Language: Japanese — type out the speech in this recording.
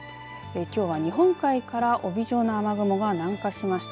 きょうは日本海から帯状の雨雲が南下しました。